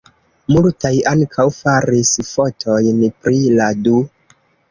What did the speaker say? Multaj ankaŭ faris fotojn pri la du.